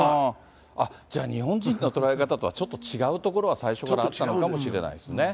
じゃあ、日本人の捉え方とはちょっと違うところは最初からあったのかもしれないですね。